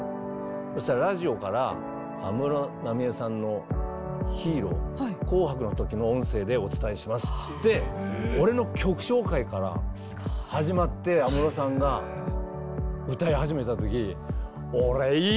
そうしたらラジオから安室奈美恵さんの「Ｈｅｒｏ」「紅白」の時の音声でお伝えしますっつって俺の曲紹介から始まって安室さんが歌い始めた時。